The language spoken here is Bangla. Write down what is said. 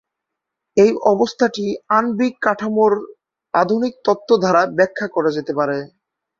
এই অবস্থাটি আণবিক কাঠামোর আধুনিক তত্ত্ব দ্বারা ব্যাখ্যা করা যেতে পারে।